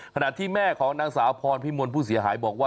ขณะที่แม่ของนางสาวพรพิมลผู้เสียหายบอกว่า